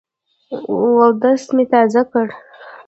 اودس مي تازه کړ .